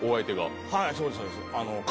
はいそうですそうです